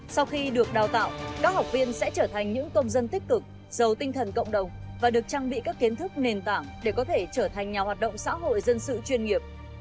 sau khi được đào tạo các học viên sẽ trở thành những công dân tích cực giàu tinh thần cộng đồng và được trang bị các kiến thức nền tảng để có thể trở thành nhà hoạt động xã hội dân sự chuyên nghiệp